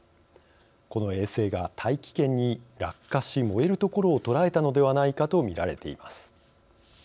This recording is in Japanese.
この衛星が大気圏に落下し燃えるところを捉えたのではないかと見られています。